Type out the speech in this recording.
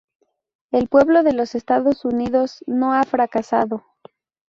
El pueblo de los Estados Unidos no ha fracasado.